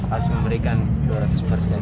harus memberikan dua ratus persen